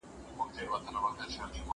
که وخت وي، ځواب ليکم؟!؟!